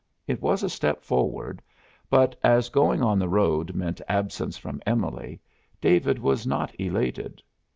It was a step forward, but as going on the road meant absence from Emily, David was not elated.